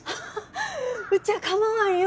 うちはかまわんよ